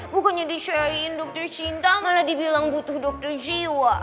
bukannya disyariin dokter cinta malah dibilang butuh dokter jiwa